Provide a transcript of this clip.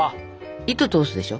糸通すでしょ？